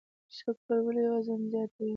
شکر ولې وزن زیاتوي؟